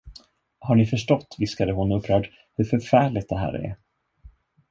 Har ni förstått? viskade hon upprörd, hur förfärligt det här är?